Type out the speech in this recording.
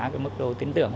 cái mức độ tin tưởng